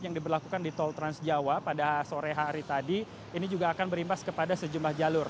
yang diberlakukan di tol transjawa pada sore hari tadi ini juga akan berimbas kepada sejumlah jalur